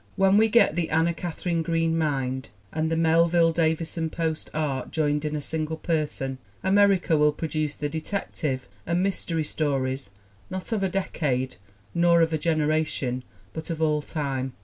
When we get the Anna Katharine Green Mind and the Melville Davisson Post Art joined in a single person America will produce the detective and mystery stories not of a decade nor of a generation but of all time.